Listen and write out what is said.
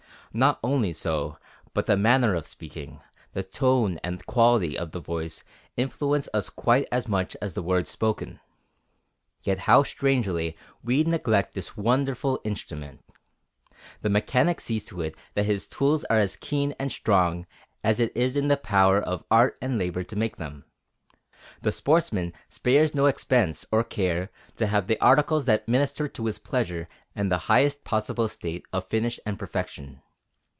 Not only so, but the manner of speaking, the tone and quality of the voice influence us quite as much as the words spoken. Yet how strangely we neglect this wonderful instrument. The mechanic sees to it that his tools are as keen and strong as it is in the power of art and labor to make them. The sportsman spares no expense or care to have the articles that minister to his pleasure in the highest possible state of finish and perfection.